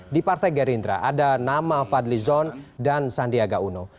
di partai gerindra ada nama fadlizon dan sandiaga uno